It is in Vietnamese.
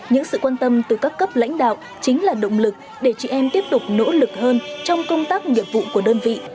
những sự quan tâm từ các cấp lãnh đạo chính là động lực để chị em tiếp tục nỗ lực hơn trong công tác nhiệm vụ của đơn vị